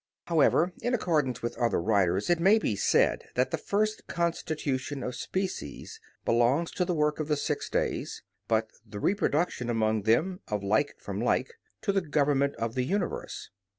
However, in accordance with other writers, it may be said that the first constitution of species belongs to the work of the six days, but the reproduction among them of like from like, to the government of the universe.